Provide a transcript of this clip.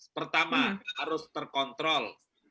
pertama harus terkontrol